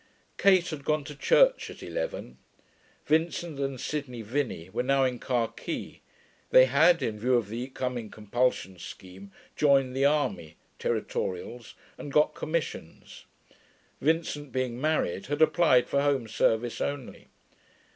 Kate had gone to church at eleven. Vincent and Sidney Vinney were now in khaki; they had, in view of the coming compulsion scheme, joined the army (territorials) and got commissions. Vincent, being married, had applied for home service only.